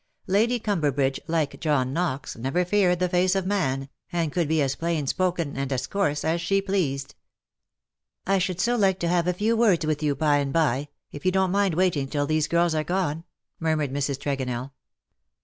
Lady Cumberbridge, like John Knox, never feared the face of man, and could be as plain spoken and as coarse as she pleased. " I should so like to have a few words with you by and by, if you don^t mind waiting till these girls are gone,^^ murmured Mrs. Tregonell.